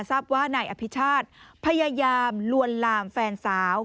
ทราบว่านายอภิชาติพยายามลวนลามแฟนสาว